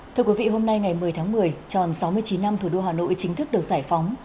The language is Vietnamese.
thưa quý vị hôm nay ngày một mươi tháng một mươi tròn sáu mươi chín năm thủ đô hà nội chính thức được giải phóng